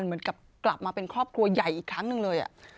เหมือนกับกลับมาเป็นครอบครัวใหญ่อีกครั้งหนึ่งเลย